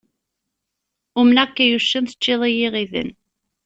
Umneɣ-k ay uccen, teččiḍ-iyi iɣiden.